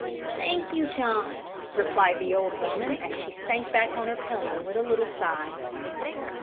'" "Thank you, John," replied the old woman, as she sank back on her pillow with a little sigh.